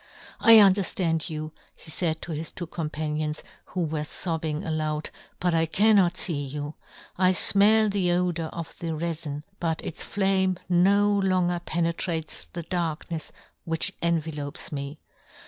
" I underftand you," he faid to his two companions, who were fobbing aloud, " but I cannot " fee you. I fmell the odour of the " refin, but its flame no longer pene " trates the darknefs which envelopes " me.